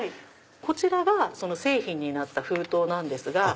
こちらが製品になった封筒なんですが。